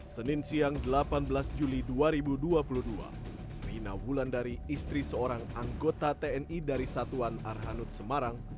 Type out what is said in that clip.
senin siang delapan belas juli dua ribu dua puluh dua rina wulandari istri seorang anggota tni dari satuan arhanud semarang